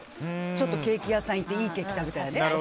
ちょっとケーキ屋さんに行っていいケーキ食べたらね。